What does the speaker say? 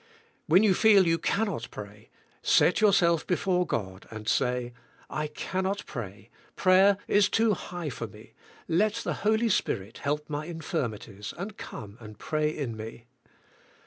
When you feel you cannot pray, set your self before God and say, I cannot pray, prayer is too high for me, let the Holy Spirit help my infirmi ties and come and pray in me.